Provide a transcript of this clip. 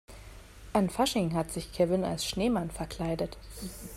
An Fasching hat sich Kevin als Schneemann verkleidet.